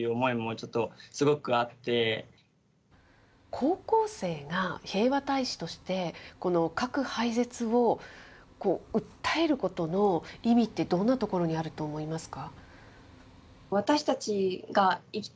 高校生が平和大使として、核廃絶を訴えることの意味って、どんなところにあると思いますか？